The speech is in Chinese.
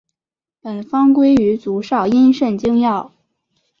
本方归于足少阴肾经药。